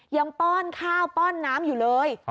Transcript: ป้อนข้าวป้อนน้ำอยู่เลย